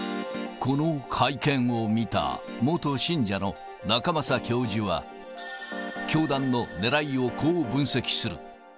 この会見を見た元信者の仲正教授は、教団のねらいをこう分析する。